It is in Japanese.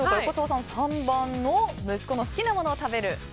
横澤さんは３番の息子の好きなものを食べる。